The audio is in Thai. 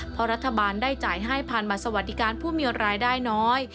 เพราะรัฐบาลได้จ่ายให้ผ่านบัตรสวัสดิการผู้มีรายได้น้อย